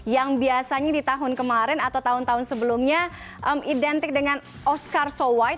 yang biasanya di tahun kemarin atau tahun tahun sebelumnya identik dengan oscar so white